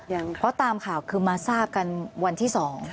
ยังค่ะเพราะตามข่าวคือมาทราบกันวันที่สอง